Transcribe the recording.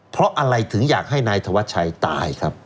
เพราะอะไรถึงอยากให้นายธวัชชัยตายครับ